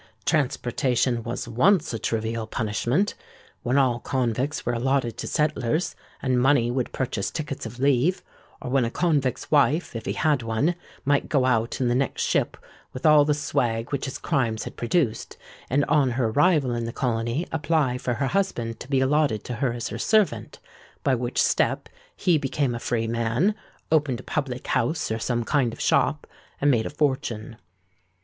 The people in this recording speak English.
Transportation was once a trivial punishment, when all convicts were allotted to settlers, and money would purchase tickets of leave; or when a convict's wife, if he had one, might go out in the next ship with all the swag which his crimes had produced, and on her arrival in the colony apply for her husband to be allotted to her as her servant, by which step he became a free man, opened a public house or some kind of shop, and made a fortune.